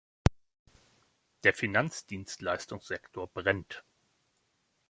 Der Finanzdienstleistungssektor brennt.